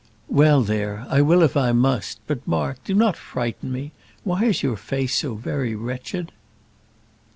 "Well, there; I will if I must; but, Mark, do not frighten me. Why is your face so very wretched?"